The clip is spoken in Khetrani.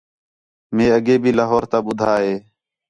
مئے اڳّے بھی لاہور تا ٻدھا ہِے